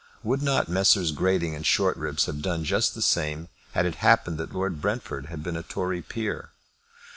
Would not Messrs. Grating and Shortribs have done just the same had it happened that Lord Brentford had been a Tory peer?